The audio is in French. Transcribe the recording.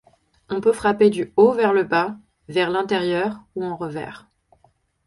On peut frapper du haut vers le bas, vers l'intérieur ou en revers.